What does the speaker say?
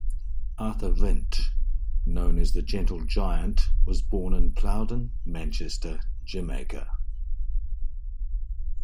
Arthur Wint, known as the "Gentle Giant", was born in Plowden, Manchester, Jamaica.